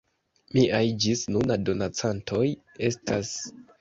Miaj ĝis nuna donacantoj estas:...